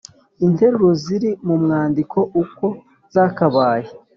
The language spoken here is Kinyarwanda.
interuro ziri mu mwandiko uko zakabaye.